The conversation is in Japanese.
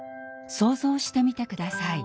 想像してみて下さい。